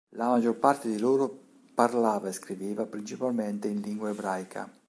La maggior parte di loro parlava e scriveva principalmente in lingua ebraica.